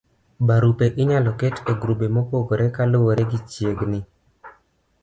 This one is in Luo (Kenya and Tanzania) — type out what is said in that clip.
barupe inyalo ket e grube mopogore kaluwore gi chiegni